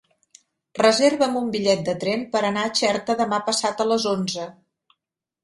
Reserva'm un bitllet de tren per anar a Xerta demà passat a les onze.